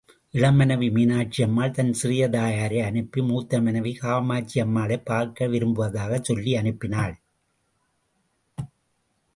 இளம் மனைவி மீனாட்சியம்மாள் தன் சிறிய தாயாரை அனுப்பி, மூத்த மனைவி காமாட்சியம்மாளைப் பார்க்க விரும்புவதாக சொல்வி அனுப்பினாள்.